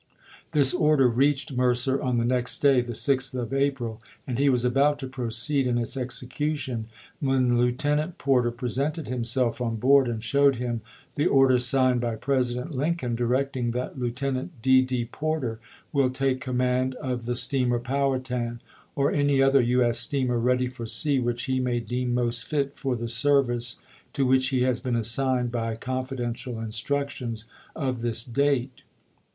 This order reached Mercer on the next day, the 6th of April, and he was about to proceed in its execution, when Lieutenant Porter presented himself on board and showed him the order signed by President Lincoln directing that "Lieutenant D. D. Porter will take command of the steamer Powhatan, or any other U. S. steamer ready for sea which he may deem most fit for the service to which he has been assigned by confi dential instructions of this date.